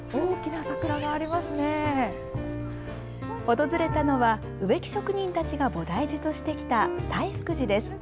訪れたのは、植木職人たちが菩提寺としてきた西福寺です。